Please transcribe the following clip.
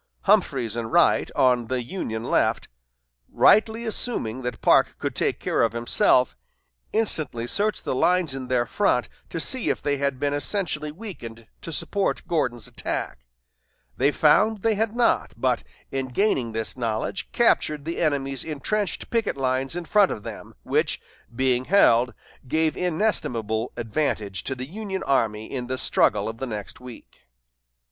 Humphreys and Wright, on the Union left, rightly assuming that Parke could take care of himself, instantly searched the lines in their front to see if they had been essentially weakened to support Gordon's attack. They found they had not, but in gaining this knowledge captured the enemy's intrenched picket lines in front of them, which, being held, gave inestimable advantage to the Union army in the struggle of the next week.